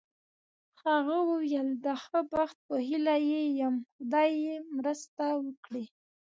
هغه وویل: د ښه بخت په هیله یې یم، خدای یې مرسته وکړي.